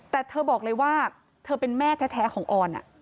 แต่เธอบอกเลยว่าเธอเป็นแม่แท้ของออน